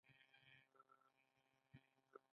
مرسته کول ولې ښه دي؟